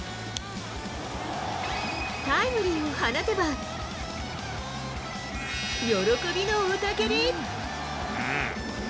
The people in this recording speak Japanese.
タイムリーを放てば、喜びの雄たけび。